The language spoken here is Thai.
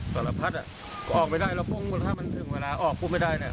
กระพัดน่ะออกไปได้แล้วปุ้งแล้วถ้ามันถึงเวลาออกปุ๊บไม่ได้เนี่ย